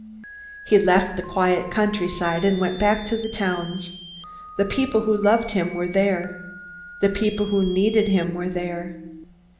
He left the quiet countryside, and went back to the towns. The people who loved him were there. The people who needed him were there.